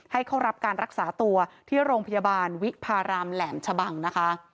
ให้เข้ารับการรักษาตัวที่โรงพยาบาลวิพารามแหลมชะบังนะคะ